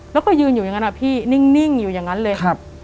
แล้วก็ยืนอยู่อย่างนั้นอะพี่นิ่งอยู่อย่างนั้นเลย